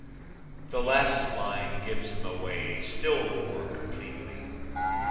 The last line gives him away still more completely.